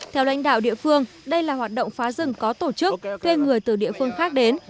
theo lãnh đạo địa phương đây là hoạt động phá rừng có tổ chức thuê người từ địa phương khác đến